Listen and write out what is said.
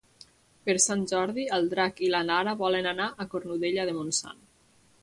Per Sant Jordi en Drac i na Nara volen anar a Cornudella de Montsant.